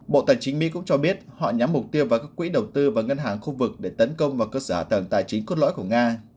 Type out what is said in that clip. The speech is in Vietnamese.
bộ tài chính mỹ cũng cho biết họ nhắm mục tiêu vào các quỹ đầu tư và ngân hàng khu vực để tấn công vào cơ sở hạ tầng tài chính cốt lõi của nga